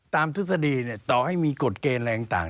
ทฤษฎีต่อให้มีกฎเกณฑ์อะไรต่าง